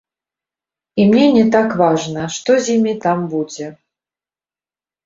І мне не так важна, што з імі там будзе.